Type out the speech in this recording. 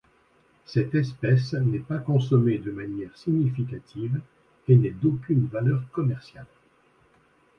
Cette espèce n'est pas consommée de manière significative, et n'est d'aucune valeur commerciale.